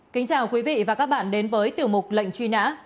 kính chào quý vị và các bạn đến với tiểu mục lệnh truy nã